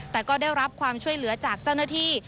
แต่ก็ได้รับความช่วยเหลือจากเจ้าหน้าที่